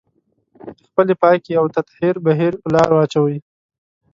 د خپلې پاکي او تطهير بهير په لار واچوي.